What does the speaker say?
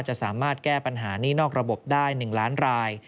จะสามารถแก้ปัญหานี่นอกระบบได้๑ล้านราย